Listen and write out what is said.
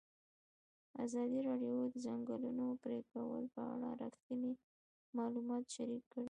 ازادي راډیو د د ځنګلونو پرېکول په اړه رښتیني معلومات شریک کړي.